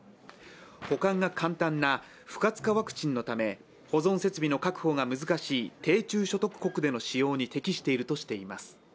保管が簡単な不活化ワクチンのため保存設備の確保が難しい低中所得国での使用に使用に適しているとしています。